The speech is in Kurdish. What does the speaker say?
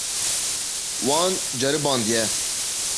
Wan ceribandiye.